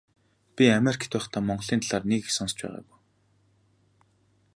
Би Америкт байхдаа Монголын талаар нэг их сонсож байгаагүй.